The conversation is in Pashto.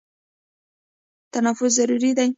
تنفس ضروري دی.